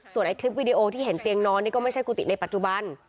ไอ้คลิปวิดีโอที่เห็นเตียงนอนนี่ก็ไม่ใช่กุฏิในปัจจุบัน